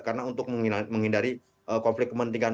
karena untuk menghindari konflik kepentingan